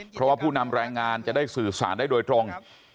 เพราะว่าผู้นำแรงงานจะได้สื่อสารได้โดยตรง